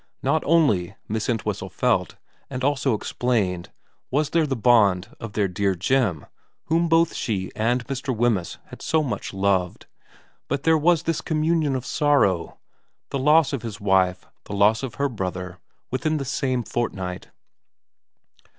Not only, Miss Entwhistle felt, and also explained, was there the bond of their dear Jim, whom both she and Mr. Wemyss had so much loved, but there was this communion of sorrow, the loss of his wife, the loss of her brother, within the same fortnight.